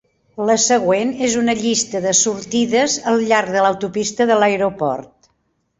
La següent és una llista de sortides al llarg de l'autopista de l'aeroport.